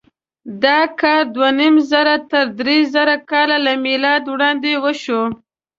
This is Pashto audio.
دا کار دوهنیمزره تر درېزره کاله له مېلاده وړاندې وشو.